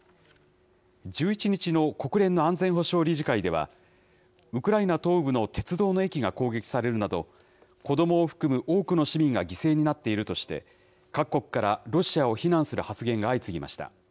１１日の国連の安全保障理事会では、ウクライナ東部の鉄道の駅が攻撃されるなど、子どもを含む多くの市民が犠牲になっているとして、各国からロシアを非難する発言が相次ぎました。